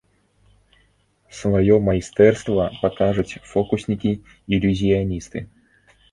Сваё майстэрства пакажуць фокуснікі-ілюзіяністы.